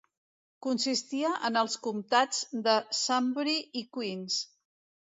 Consistia en els comptats de Sunbury i Queens.